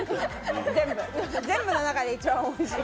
全部の中で一番おいしい。